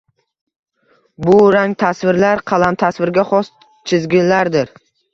Bu rangtasvirlar qalamtasvirga xos chizgilardir.